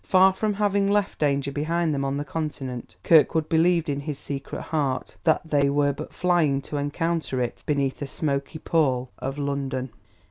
Far from having left danger behind them on the Continent, Kirkwood believed in his secret heart that they were but flying to encounter it beneath the smoky pall of London.